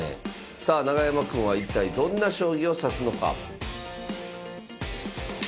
さあ永山くんは一体どんな将棋を指すのか。